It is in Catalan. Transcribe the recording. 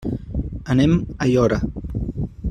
Anem a Aiora.